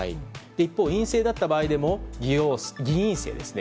一方、陰性だった場合でも偽陰性ですね。